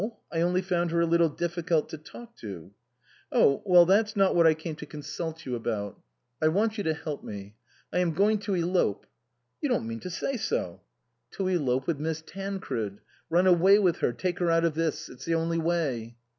I only found her a little difficult to talk to." " Oh. Well, that's not what I came to consult 108 INLAND you about. I want you to help me. I am going to elope "" You don't mean to say so "" To elope with Miss Tancred run away with her take her out of this. It's the only way."